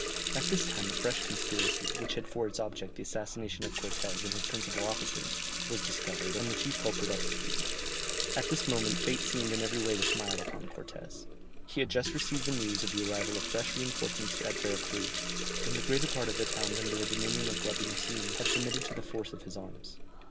At this time a fresh conspiracy, which had for its object the assassination of Cortès and his principal officers, was discovered, and the chief culprit executed. At this moment fate seemed in every way to smile upon Cortès; he had just received the news of the arrival of fresh reinforcements at Vera Cruz, and the greater part of the towns under the dominion of Guatimozin had submitted to the force of his arms.